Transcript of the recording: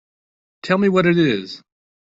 Tell me what it is.